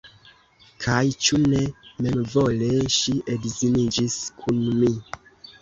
Kaj ĉu ne memvole ŝi edziniĝis kun mi?